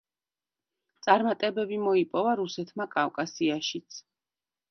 წარმატებები მოიპოვა რუსეთმა კავკასიაშიც.